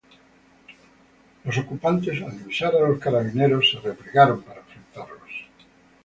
Los ocupantes, al divisar a los carabineros, se replegaron para enfrentarlos.